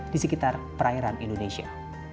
di sekitar perairan indonesia